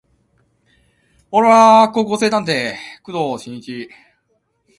俺は高校生探偵工藤新一